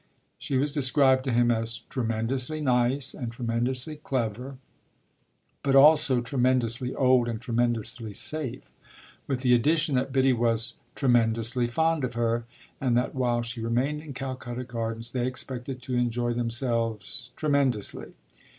She was described to him as tremendously nice and tremendously clever, but also tremendously old and tremendously safe; with the addition that Biddy was tremendously fond of her and that while she remained in Calcutta Gardens they expected to enjoy themselves tremendously.